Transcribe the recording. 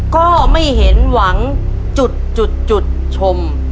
ก็ไม่เห็นหวังจุดชม